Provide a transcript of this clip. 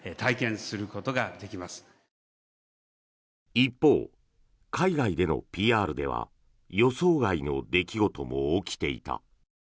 一方、海外でのＰＲでは予想外の出来事も起きていた。